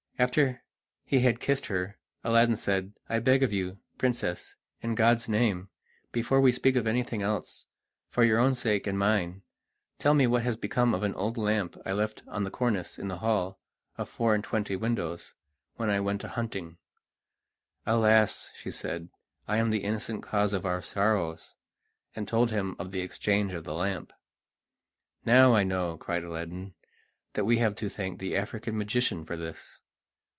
After he had kissed her Aladdin said: "I beg of you, Princess, in God's name, before we speak of anything else, for your own sake and mine, tell me what has become of an old lamp I left on the cornice in the hall of four and twenty windows, when I went a hunting." "Alas!" she said "I am the innocent cause of our sorrows," and told him of the exchange of the lamp. "Now I know," cried Aladdin, "that we have to thank the African magician for this!